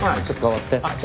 ちょっと待って。